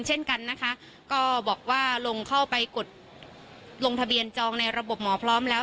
เช่นกันนะคะก็บอกว่าลงเข้าไปกดลงทะเบียนจองในระบบหมอพร้อมแล้ว